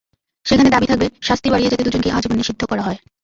সেখানে দাবি থাকবে, শাস্তি বাড়িয়ে যাতে দুজনকেই আজীবন নিষিদ্ধ করা হয়।